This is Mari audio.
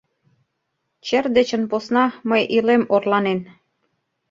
Чер дечын посна мый илем орланен.